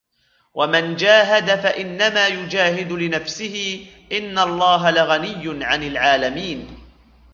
وَمَنْ جَاهَدَ فَإِنَّمَا يُجَاهِدُ لِنَفْسِهِ إِنَّ اللَّهَ لَغَنِيٌّ عَنِ الْعَالَمِينَ